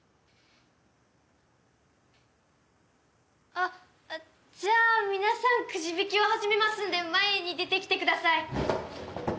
あっじゃあ皆さんくじ引きを始めますので前に出てきてください。